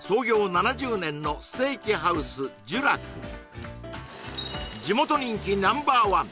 ７０年のステーキハウス寿楽地元人気Ｎｏ．１